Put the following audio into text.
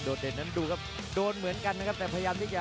โดดเดชน์ทอตอร์จานแสนชัยกับยานิลลาลีนี่ครับ